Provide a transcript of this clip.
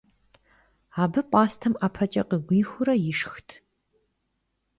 Абы пӀастэм ӀэпэкӀэ къыгуихыурэ ишхт.